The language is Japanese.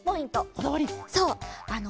こだわり。